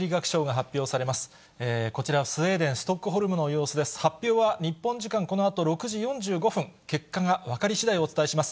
発表は日本時間このあと６時４５分、結果が分かりしだい、お伝えします。